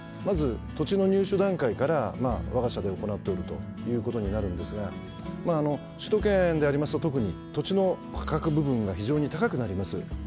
まず土地の入手段階からわが社で行っておるということになるんですが首都圏でありますと特に土地の価格部分が非常に高くなります。